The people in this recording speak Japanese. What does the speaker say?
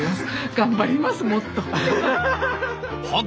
頑張りますもっと。